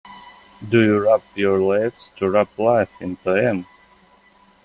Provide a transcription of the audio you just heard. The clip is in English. Do you rub your legs to rub life into 'em?